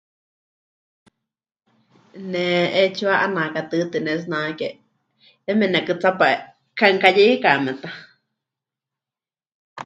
Ne 'etsiwa 'ene'akatɨɨtɨ pɨnetsinake, yeme nekɨtsápa ka'anukayeikame ta.